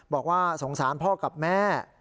บอกว่าสงสารพ่อกับแม่